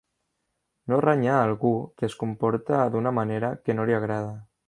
No renyà algú que es comporta d'una manera que no li agrada.